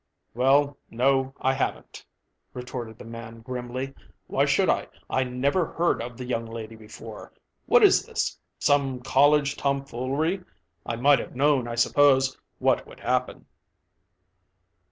"Well, no I haven't," retorted the man grimly. "Why should I? I never heard of the young lady before. What is this some college tomfoolery? I might have known, I suppose, what would happen."